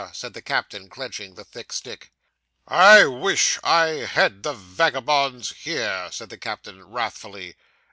said the captain, clenching the thick stick. 'I wish I had the vagabonds here,' said the captain wrathfully.